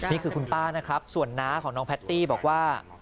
นี่คือคุณป้านะครับส่วนน้าของน้องแพตตี้บอกว่า